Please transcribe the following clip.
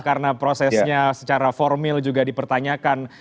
karena prosesnya secara formil juga dipertanyakan